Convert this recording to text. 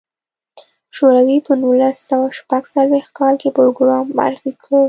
شوروي په نولس سوه شپږ څلوېښت کال کې پروګرام معرفي کړ.